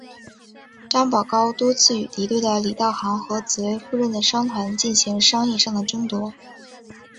张保皋多次与敌对的李道行和紫薇夫人的商团进行商业上的争夺。